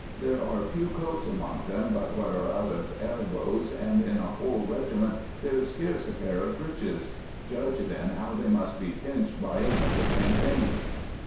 There are few coats among them but what are out at elbows and in a whole reg iment there is scarce a pair of breeches. Judge then how they must be pinched by a winter campaign."